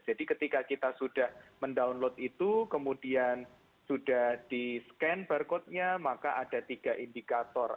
jadi ketika kita sudah mendownload itu kemudian sudah di scan barcode nya maka ada tiga indikator